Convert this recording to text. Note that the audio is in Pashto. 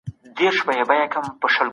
د بشپړتيا قانون تر بل هر قانون مهم دی.